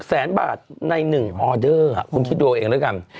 แสนบาทใน๑ออเดอร์คุณคิดดูเอาเองแล้วกัน